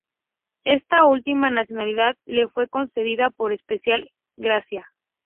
Esta última nacionalidad le fue concedida por especial gracia.